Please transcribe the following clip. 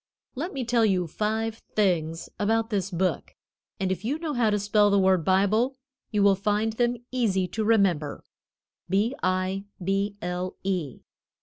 Let me tell you five things about this book, and if you know how to spell the word Bible you will find them easy to remember B I B L E.